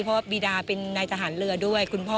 เพราะว่าบีดาเป็นนายทหารเรือด้วยคุณพ่อ